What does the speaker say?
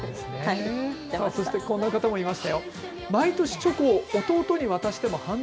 そして、こんな方もいました。